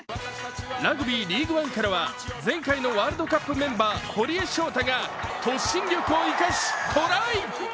ＲＵＧＢＹＬＥＡＧＵＥＯＮＥからは前回のワールドカップメンバー堀江翔太が突進力を生かしトライ。